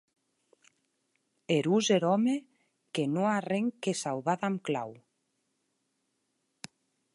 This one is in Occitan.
Erós er òme que non a arren que sauvar damb clau!